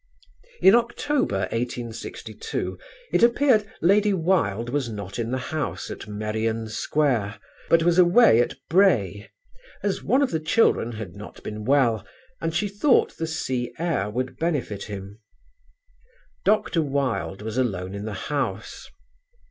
In October, 1862, it appeared Lady Wilde was not in the house at Merrion Square, but was away at Bray, as one of the children had not been well, and she thought the sea air would benefit him. Dr. Wilde was alone in the house.